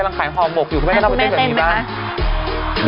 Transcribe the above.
แล้วคุณแม่เต้นไหมคะ